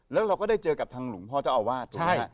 แล้วเราก็ได้เจอกับทางหลวงพ่อเจ้าอาวาสถูกไหมฮะ